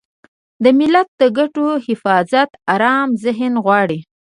د ملت د ګټو حفاظت ارام ذهن غواړي.